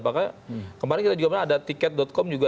bahkan kemarin kita juga pernah ada tiket com juga